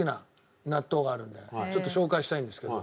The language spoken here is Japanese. ちょっと紹介したいんですけど。